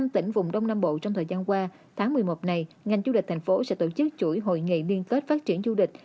một mươi tỉnh vùng đông nam bộ trong thời gian qua tháng một mươi một này ngành du lịch thành phố sẽ tổ chức chuỗi hội nghị liên kết phát triển du lịch